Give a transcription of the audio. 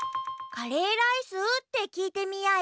「カレーライス？」ってきいてみようよ。